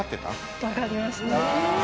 分かりましたね。